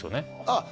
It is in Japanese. あっ